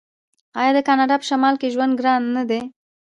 آیا د کاناډا په شمال کې ژوند ګران نه دی؟